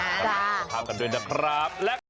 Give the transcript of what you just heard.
ครับขอบคุณด้วยนะครับ